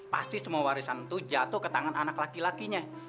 pasti semua warisan itu jatuh ke tangan anak laki lakinya